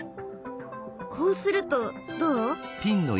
こうするとどう？